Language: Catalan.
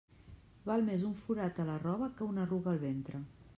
Val més un forat a la roba que una arruga al ventre.